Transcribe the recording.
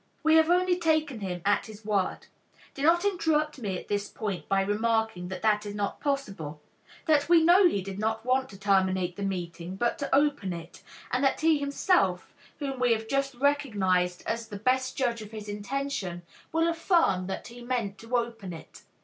We have only taken him at his word. Do not interrupt me at this point by remarking that this is not possible, that we know he did not want to terminate the meeting but to open it, and that he himself, whom we have just recognized as the best judge of his intention, will affirm that he meant to open it.